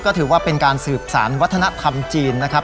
ก็ถือว่าเป็นการสืบสารวัฒนธรรมจีนนะครับ